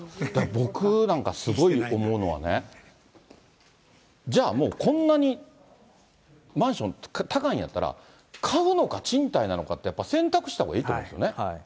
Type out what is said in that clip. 僕なんか、すごい思うのはね、じゃあもう、こんなにマンション高いんやったら、買うのか、賃貸なのかって、やっぱ選択したほうがいいと思うんですよね。